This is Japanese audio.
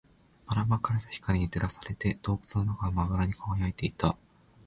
ばら撒かれた光に照らされて、洞窟の中がまばらに輝いていた